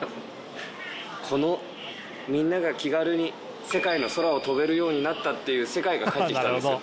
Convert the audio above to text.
このみんなが気軽に世界の空を飛べるようになったっていう世界が返ってきたんですよ。